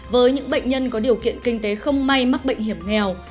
với những bệnh nhân có điều kiện kinh tế không may mắc bệnh hiểm nghèo